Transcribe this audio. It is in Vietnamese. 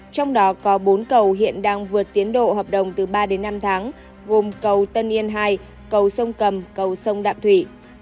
trong đó có bốn cầu hiện đang vượt tiến độ hợp đồng từ ba đến năm tháng gồm cầu tân yên hai cầu sông cầm cầu sông đạm thủy